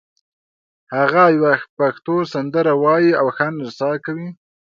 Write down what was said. هغه یوه پښتو سندره وایي او ښه نڅا کوي